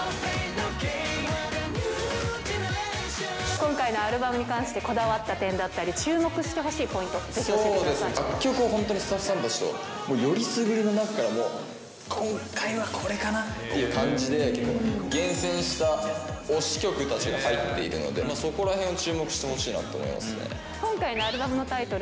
今回のアルバムに関して、こだわった点だったり、注目してほしいポイント、楽曲は本当にスタッフさんたちとよりすぐりの中から、もう、今回はこれかなっていう感じで、厳選した推し曲たちが入っているので、そこらへんを注目してほしいなと思いますね。